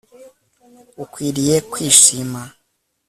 Ukwiriye kwishima